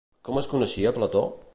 Com es coneixia Plató?